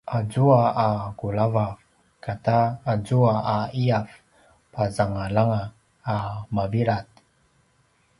azua a kulavav kata azua a ’iyav pazangalanga a mavilad